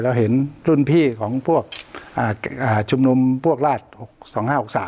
เราเห็นรุ่นพี่ของชุมนุมพวกราศส์๖๕๖๓